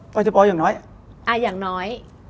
บ๊วยชะโปร์อย่างน้อย